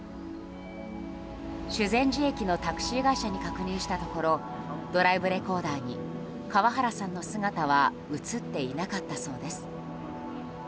修善寺駅のタクシー会社に確認したところドライブレコーダーに川原さんの姿は映っていなかったそうです。